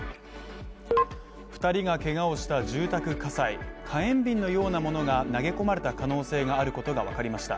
２人がけがをした住宅火災、火炎瓶のようなものが投げ込まれた可能性があることがわかりました。